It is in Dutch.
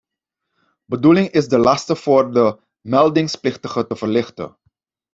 Bedoeling is de lasten voor de meldingsplichtigen te verlichten.